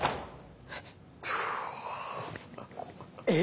え⁉